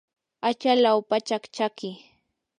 achalaw pachak chaki.